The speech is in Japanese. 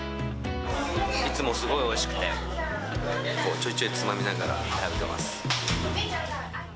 いつもすごいおいしくて、ちょいちょいつまみながら食べてます。